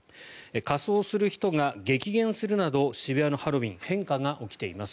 仮装する人が激減するなど渋谷のハロウィーン変化が起きています。